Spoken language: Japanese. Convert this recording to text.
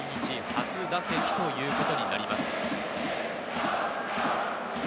来日初打席ということになります。